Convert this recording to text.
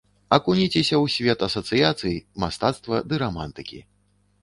Акуніцеся ў свет асацыяцый, мастацтва ды рамантыкі!